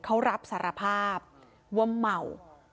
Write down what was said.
เขารับสารภาพว่าเมา